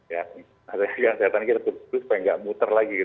ya rantai lingkaran setannya kita putus supaya nggak muter lagi gitu kan